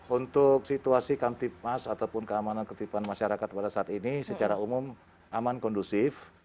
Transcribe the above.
untuk situasi kamtipmas ataupun keamanan ketipan masyarakat pada saat ini secara umum aman kondusif